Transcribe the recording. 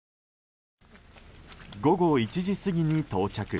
午後１時過ぎに到着。